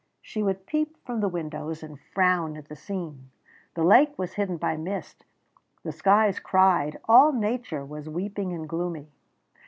She would peep from the windows, and frown at the scene. The lake was hidden by mist, the skies cried, all nature was weeping and gloomy.